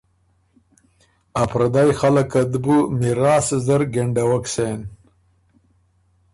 ا پردئ خلق ات بُو میراث زر ګېنډوک سېن